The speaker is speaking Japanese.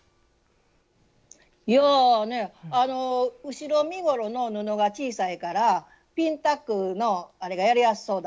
後ろ身ごろの布が小さいからピンタックのあれがやりやすそうだったですね。